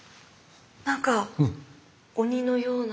何か鬼のような。